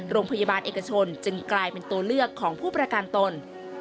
โรงพยาบาลเอกชนจึงกลายเป็นตัวเลือกของผู้ประกันตน